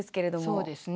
そうですね。